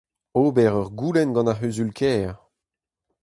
Ober ur goulenn gant ar C'huzul-kêr :